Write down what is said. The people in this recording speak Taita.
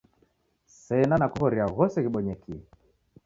Sena nakughoria ghose ghibonyekie